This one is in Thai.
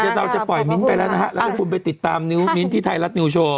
เดี๋ยวเราจะปล่อยมิ้นท์ไปแล้วนะฮะแล้วคุณไปติดตามนิ้วมิ้นท์ที่ไทยรัฐนิวโชว